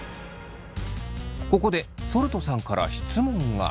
ここでそるとさんから質問が。